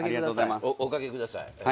お掛けください。